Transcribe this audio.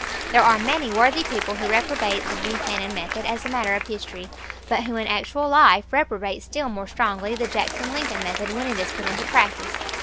There are many worthy people who reprobate the Buchanan method as a matter of history, but who in actual life reprobate still more strongly the Jackson Lincoln method when it is put into practice.